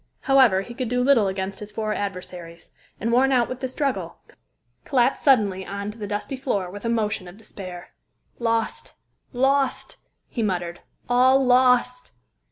However, he could do little against his four adversaries, and, worn out with the struggle, collapsed suddenly on to the dusty floor with a motion of despair. "Lost! lost!" he muttered. "All lost!"